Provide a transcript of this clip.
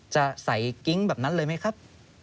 จะใส่กิ๊งแบบนั้นเลยไหมครับ